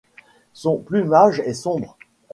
Son plumage est sombre.